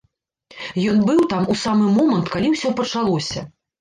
Ён быў там у самы момант, калі ўсё пачалося.